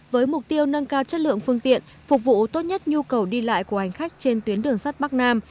với mục tiêu nâng cao chất lượng phương tiện phục vụ tốt nhất nhu cầu đi lại của hành khách trên tuyến đường sắt bắc nam